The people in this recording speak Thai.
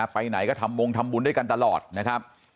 ไปไหนก็ทำมงทำบุญด้วยกันตลอดนะครับ